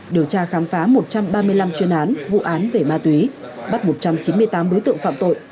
điều tra khám phá một trăm ba mươi năm chuyên án vụ án về ma túy bắt một trăm chín mươi tám đối tượng phạm tội